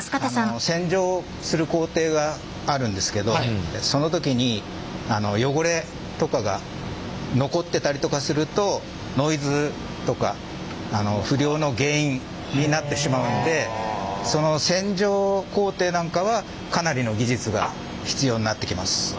洗浄する工程があるんですけどその時に汚れとかが残ってたりとかするとノイズとか不良の原因になってしまうのでその洗浄工程なんかはかなりの技術が必要になってきます。